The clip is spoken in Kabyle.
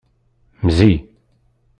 Mzi.